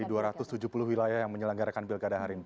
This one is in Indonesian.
di dua ratus tujuh puluh wilayah yang menyelenggarakan pilkada hari ini